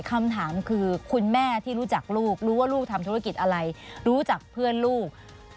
คำถามคือคุณแม่ที่รู้จักลูกรู้ว่าลูกทำธุรกิจอะไรรู้จักเพื่อนลูก